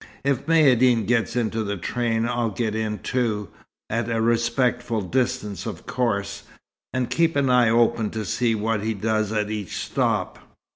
If Maïeddine gets into the train I'll get in too, at a respectful distance of course, and keep an eye open to see what he does at each stop."